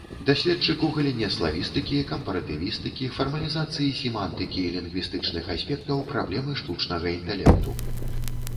Даследчык у галіне славістыкі, кампаратывістыкі, фармалізацыі семантыкі і лінгвістычных аспектаў праблемы штучнага інтэлекту.